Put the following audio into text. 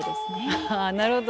ああなるほど。